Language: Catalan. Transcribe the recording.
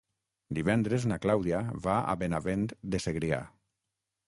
Divendres na Clàudia va a Benavent de Segrià.